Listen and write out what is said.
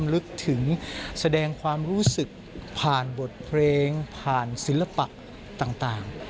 และปักต่าง